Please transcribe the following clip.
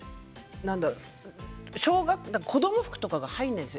子ども服とかが入らないんです。